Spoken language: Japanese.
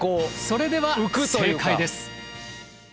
それでは正解です。